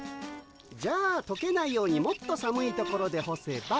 じゃあとけないようにもっと寒いところでほせば。